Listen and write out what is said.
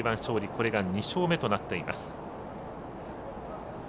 これで２勝目となっています。